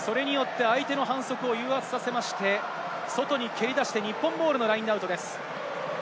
それによって相手の反則を誘発させて外に蹴り出して、日本ボールのラインアウトです。